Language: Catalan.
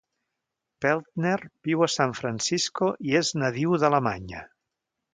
Peltner viu a San Francisco i és nadiu d'Alemanya.